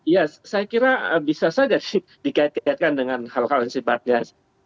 ya saya kira bisa saja dikait kaitkan dengan hal hal yang sifatnya